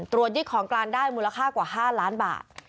ตรวจยึดของกลานได้มูลค่ากว่าห้าล้านบาท